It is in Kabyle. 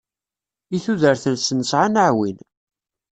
I tudert-nsen sɛan aɛwin.